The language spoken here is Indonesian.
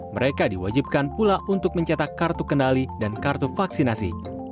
mereka diwajibkan pula untuk mencetak kartu kendali dan kartu vaksinasi